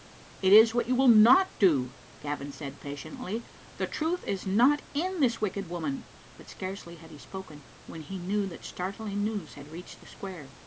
"It is what you will not do," Gavin said passion ately. " The truth is not in this wicked woman." But scarcely had he spoken when he knew that start ling news had reached the square.